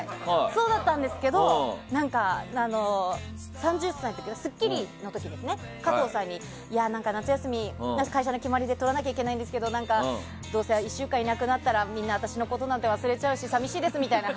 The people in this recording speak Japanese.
そうだったんですけど３０歳の「スッキリ」の時ですね加藤さんに夏休み、会社の決まりでとらないといけないんですけどどうせ１週間いなくなったらみんな私のことなんて忘れちゃうし寂しいですみたいな。